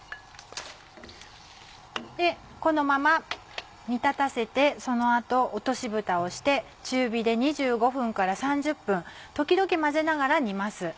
このまま煮立たせてその後落としぶたをして中火で２５分から３０分時々混ぜながら煮ます。